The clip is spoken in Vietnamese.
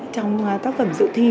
trong tác phẩm dự thi